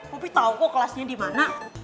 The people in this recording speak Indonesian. popi tau kok kelasnya dimana